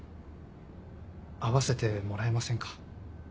会わせてもらえませんか？